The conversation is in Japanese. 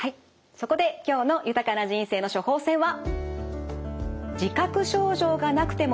そこで今日の「豊かな人生の処方せん」は。